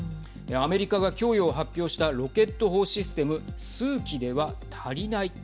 アメリカが供与を発表したロケット砲システム数基では足りない。